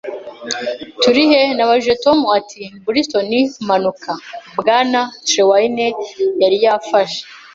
“Turi he?” Nabajije. Tom ati: “Bristol. “Manuka.” Bwana Trelawney yari yafashe